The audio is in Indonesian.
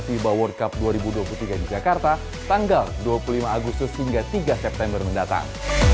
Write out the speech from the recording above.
fiba world cup dua ribu dua puluh tiga di jakarta tanggal dua puluh lima agustus hingga tiga september mendatang